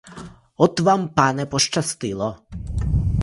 От вам, пане, пощастило.